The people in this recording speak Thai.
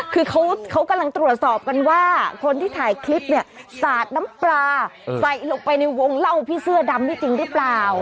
คือเขากำลังตรวจสอบกันว่าคนที่ถ่ายคลิปเนี่ยสาดน้ำปลาใส่ลงไปในวงเล่าพี่เสื้อดำได้จริงหรือเปล่า